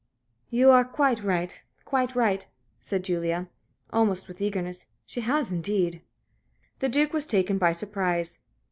"You are quite right quite right," said Julie, almost with eagerness. "She has, indeed." The Duke was taken by surprise.